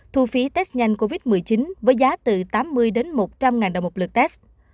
thu phí test nhanh covid một mươi chín với giá từ tám mươi đến một trăm linh ngàn đồng một lượt test